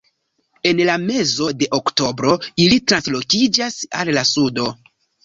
En la mezo de oktobro ili translokiĝas al la sudo.